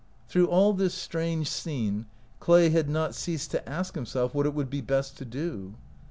Through all this strange scene Clay had not ceased to ask himself what it would be best to do.